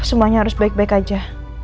semuanya harus baik baik aja